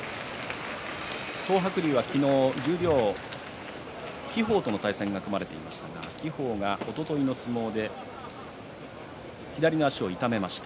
東白龍は昨日、十両輝鵬との対戦が組まれていましたが輝鵬が、おとといの相撲で左の足を痛めました。